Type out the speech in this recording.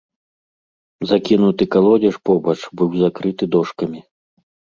Закінуты калодзеж побач быў закрыты дошкамі.